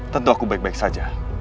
tentu aku baik baik saja